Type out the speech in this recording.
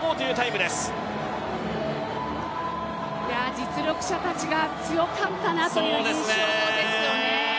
実力者たちが強かったなという印象ですよね。